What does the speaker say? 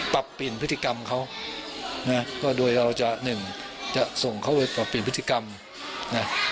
ปรับเปลี่ยนพฤติกรรมเขานะก็โดยเราจะหนึ่งจะส่งเขาไปปรับเปลี่ยนพฤติกรรมนะ